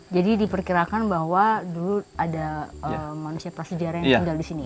jadi diperkirakan bahwa dulu ada manusia prasejarah yang tinggal di sini